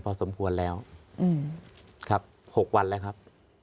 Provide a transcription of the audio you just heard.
พอสมควรแล้วครับ๖วันแล้วครับ